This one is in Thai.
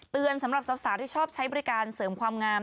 สำหรับสาวที่ชอบใช้บริการเสริมความงาม